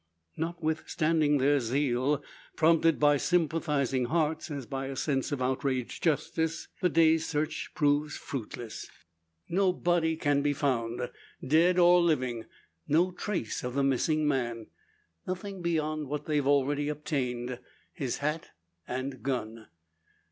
Notwithstanding their zeal, prompted by sympathising hearts, as by a sense of outraged justice, the day's search proves fruitless bootless. No body can be found, dead or living; no trace of the missing man. Nothing beyond what they have already obtained his hat and gun.